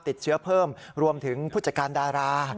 ติดเชื้อเพิ่มรวมถึงผู้จัดการดารา